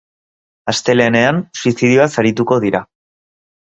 Astelehenean, suizidioaz arituko dira.